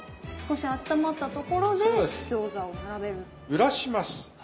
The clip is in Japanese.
揺らします。